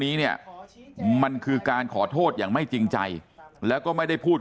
นี้เนี่ยมันคือการขอโทษอย่างไม่จริงใจแล้วก็ไม่ได้พูด